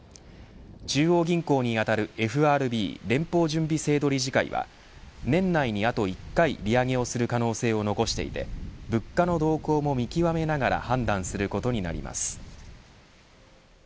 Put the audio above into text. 中央銀行に当たるＦＲＢ＝連邦準備制度理事会は年内にあと１回利上げをする可能性を残していて物価の動向も見極めながら判断することになります。